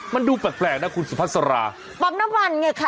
มันดูแปลกนะคุณสุภาษาปั๊มน้ำมันไงค่ะ